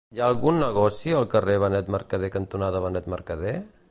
Hi ha algun negoci al carrer Benet Mercadé cantonada Benet Mercadé?